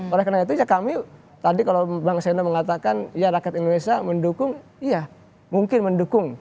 oleh karena itu ya kami tadi kalau bang sena mengatakan ya rakyat indonesia mendukung iya mungkin mendukung